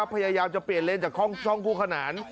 พยายามจะเปลี่ยนเลนส์จากช่องคู่ขนาน